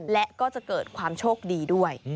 และก็จะเกิดความโชคดีด้วย